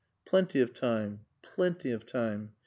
Plenty of time. Plenty of time.